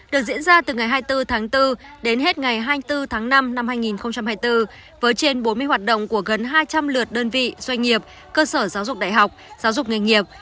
được diễn ra từ ngày hai mươi bốn tháng bốn đến hết ngày hai mươi bốn tháng năm năm hai nghìn hai mươi bốn với trên bốn mươi hoạt động của gần hai trăm linh lượt đơn vị doanh nghiệp cơ sở giáo dục đại học giáo dục nghề nghiệp